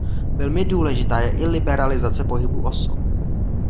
Velmi důležitá je i liberalizace pohybu osob.